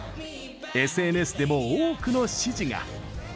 ＳＮＳでも、多くの支持が。